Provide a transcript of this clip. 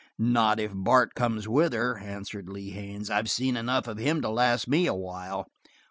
"Not if Bart comes with her," answered Lee Haines. "I've seen enough of him to last me a while."